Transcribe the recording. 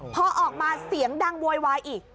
พอออกมาเสียงดังโวยวายอีก